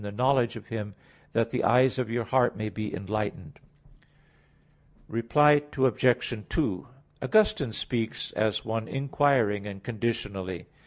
in the knowledge of Him, that the eyes of your heart" may be "enlightened" (Eph. 1:17, 18). Reply Obj. 2: Augustine speaks as one inquiring, and conditionally.